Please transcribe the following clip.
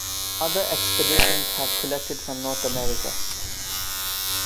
Other expeditions have collected from North America.